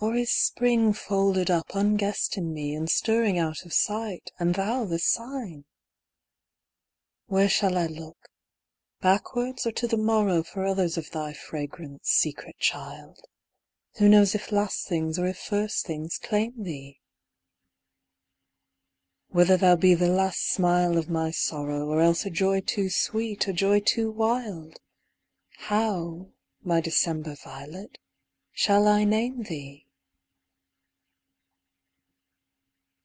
Or is Spring folded up unguessed in me, And stirring out of sight, — and thou the sign ? Where shall I look — backwards or to the morrow — For others of thy fragrance, secret child ? Who knows if last things or if first things claim thee ?— Whether thou be the last smile of my sorrow, Or else a joy too sweet, a joy too wild ? How, my December violet, shall I name thee